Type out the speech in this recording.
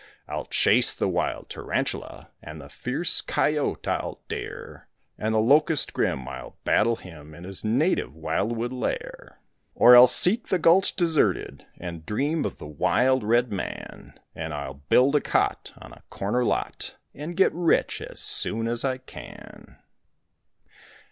I'll chase the wild tarantula And the fierce cayote I'll dare, And the locust grim, I'll battle him In his native wildwood lair. Or I'll seek the gulch deserted And dream of the wild Red man, And I'll build a cot on a corner lot And get rich as soon as I can.